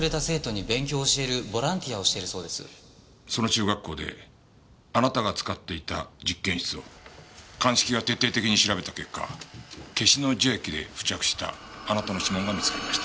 その中学校であなたが使っていた実験室を鑑識が徹底的に調べた結果ケシの樹液で付着したあなたの指紋が見つかりました。